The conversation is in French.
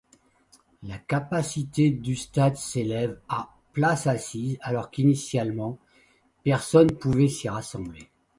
La capacité du stade s'élève à places assises alors qu'initialement personnes pouvaient s'y rassembler.